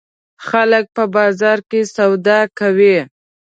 خلک په بازار کې سودا کوي.